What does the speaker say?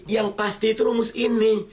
yang pasti itu rumus ini